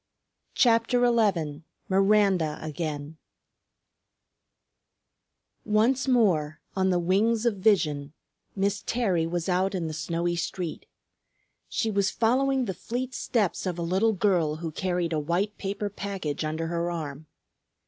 CHAPTER XI MIRANDA AGAIN Once more, on the wings of vision, Miss Terry was out in the snowy street. She was following the fleet steps of a little girl who carried a white paper package under her arm.